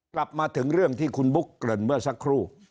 กลับมาถึงเรื่องที่คุณบุ๊กเกริ่นเมื่อสักครู่